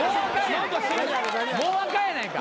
もうあかんやないか。